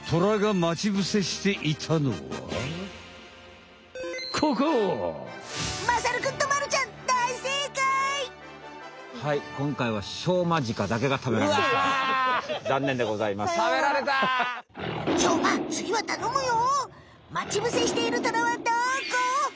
待ち伏せしているトラはどこ？